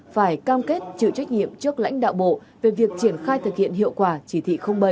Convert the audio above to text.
phải cam kết chịu trách nhiệm trước lãnh đạo bộ về việc triển khai thực hiện hiệu quả chỉ thị bảy